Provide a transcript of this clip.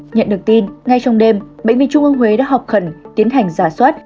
nhận được tin ngay trong đêm bệnh viện trung ân huế đã học khẩn tiến hành giả soát